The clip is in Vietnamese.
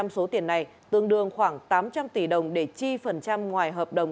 hai mươi hai mươi năm số tiền này tương đương khoảng tám trăm linh tỷ đồng để chi phần trăm ngoài hợp đồng